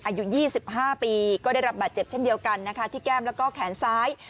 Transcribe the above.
อายุ๒๕ปีก็ได้รับบาดเจ็บเช่นเดียวกันนะคะที่แก้มแล้วก็แขนซ้าย